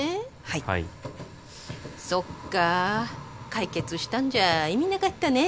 はいそっか解決したんじゃ意味なかったね